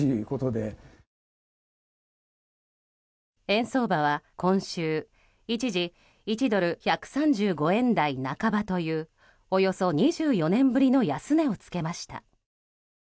円相場は今週、一時１ドル＝１３５円台半ばというおよそ２４年ぶりの安値を付けました。